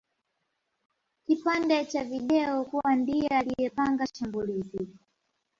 kipande cha video kuwa ndiye aliyepanga shambulizi